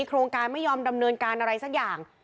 โครงการไม่ยอมดำเนินการอะไรสักอย่าง